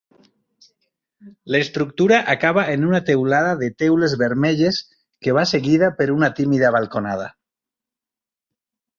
L'estructura acaba en una teulada de teules vermelles que va seguida per una tímida balconada.